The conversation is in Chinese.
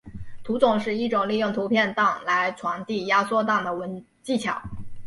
图种是一种利用图片档来传递压缩档的技巧。